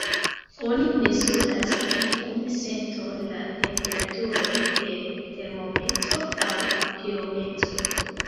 Oni mezuras tiun senton, la temperaturon, per termometro aŭ pirometro.